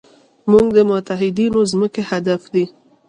زموږ د متحدینو ځمکې هدف دی.